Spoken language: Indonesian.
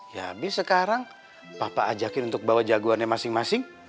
ya habis sekarang papa ajakin untuk bawa jagoannya masing masing